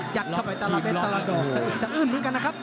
อยากเข้าไปตระเบชต์ตระดอกเสแล้วก็ยืนเหมือนกันนะครับ